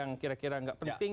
gak usah dimakan lah